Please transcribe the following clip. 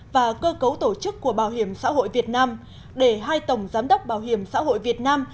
và cơ cấu tổ chức của bảo hiểm xã hội việt nam để hai tổng giám đốc bảo hiểm xã hội việt nam